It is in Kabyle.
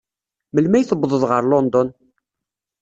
Melmi ay tuwḍed ɣer London?